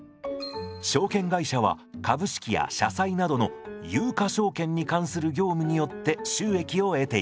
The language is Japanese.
証券会社は株式や社債などの有価証券に関する業務によって収益を得ています。